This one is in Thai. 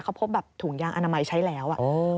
เขาพบแบบถุงยางอนามัยใช้แล้ว